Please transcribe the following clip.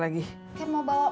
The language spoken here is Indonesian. lalu kita harus berhati hati